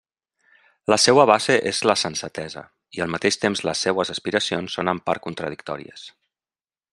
La seua base és la sensatesa i al mateix temps les seues aspiracions són en part contradictòries.